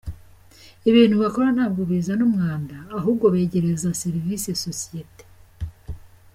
Ibintu bakora ntabwo bizana umwanda ahubwo begereza serivise sosiyete.